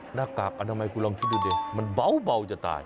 หน้ากากอนามัยคุณลองคิดดูดิมันเบาจะตาย